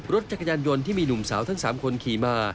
รถจักรยานยนต์ที่มีหนุ่มสาวทั้ง๓คนขี่มา